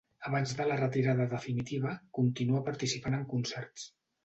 Abans de la retirada definitiva continua participant en concerts.